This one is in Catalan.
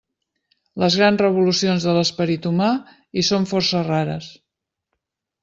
Les grans revolucions de l'esperit humà hi són força rares.